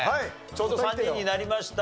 ちょうど３人になりました。